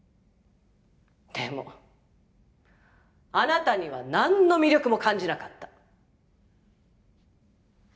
でもあなたにはなんの魅力も感じなかった。